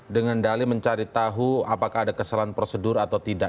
dengan dali mencari tahu apakah ada kesalahan prosedur atau tidak